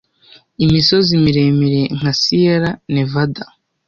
Imisozi miremire nka Siyera Nevada